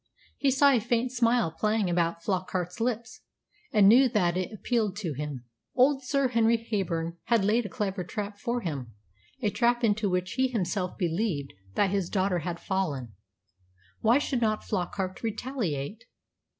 He saw a faint smile playing about Flockart's lips, and knew that it appealed to him. Old Sir Henry Heyburn had laid a clever trap for him, a trap into which he himself believed that his daughter had fallen. Why should not Flockart retaliate?